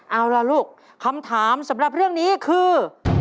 เอาล่ะลูกคำถามสำหรับเรื่องนี้คือ